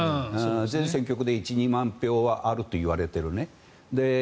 全選挙区で１２万票はあるといわれている。